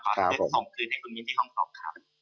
ขอถือเซ็ทส่งคืนให้คุณนิดที่ห้องครอบครับ